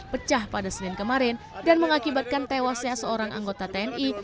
pecah pada senin kemarin dan mengakibatkan tewasnya seorang anggota tni